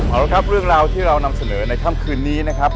เอาละครับเรื่องราวที่เรานำเสนอในค่ำคืนนี้นะครับ